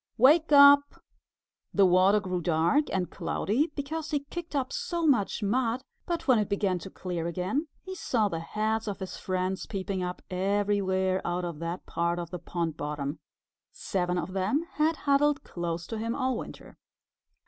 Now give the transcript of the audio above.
Wake up!" The water grew dark and cloudy because he kicked up so much mud, but when it began to clear again he saw the heads of his friends peeping up everywhere out of that part of the pond bottom. Seven of them had huddled close to him all winter.